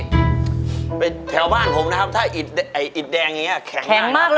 ก็เป็นแถวบ้านผมนะครับถ้าไอของไอดแดงอย่างงี้แข่งมากนะครับ